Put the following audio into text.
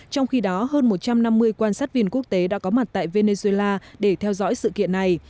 trong khi đó hơn một trăm năm mươi quan sát viên quốc tế đã có mặt tại venezuela để theo dõi sự kiện này